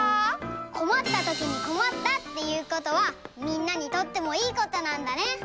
こまったときにこまったっていうことはみんなにとってもいいことなんだね。